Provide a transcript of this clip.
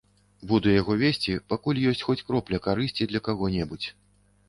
Буду яго весці, пакуль ёсць хоць кропля карысці для каго-небудзь.